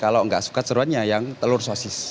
kalau enggak suka ceruannya yang telur sosis